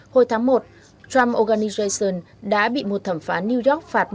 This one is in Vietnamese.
hồi tháng một trump organization đã bị một thẩm phán new york phạt một sáu